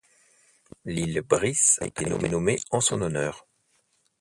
L'île Brice a été nommée en son honneur.